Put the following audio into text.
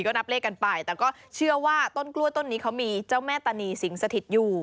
ก็นับเลขกันไปแต่ก็เชื่อว่าต้นกล้วยต้นนี้เขามีเจ้าแม่ตานีสิงสถิตอยู่